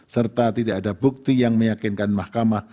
serta tidak ada bukti yang meyakinkan mahkamah